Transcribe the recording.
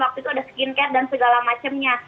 waktu itu ada skincare dan segala macamnya